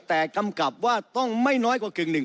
แต่กำกับว่าต้องไม่น้อยกว่ากึ่งหนึ่ง